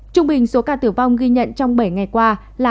trung bình số ca tử vong ghi nhận trong bảy ngày qua là hai trăm hai mươi bảy ca